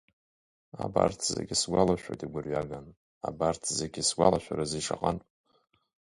Абарҭзегьы сгәалашәоит игәырҩаган, абарҭзегьы сгәалашәарызеи шаҟантә?